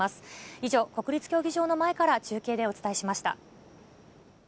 以上、国立競技場の前から中継でお伝えしました。